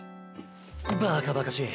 バカバカしい。